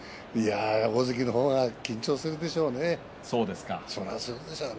大関の方が緊張するでしょうね。